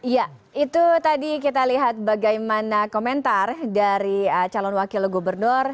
ya itu tadi kita lihat bagaimana komentar dari calon wakil gubernur